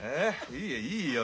いいよいいよ